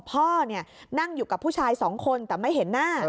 พ่อนั่งอยู่กับผู้ชายสองคนแต่ไม่เห็นหน้า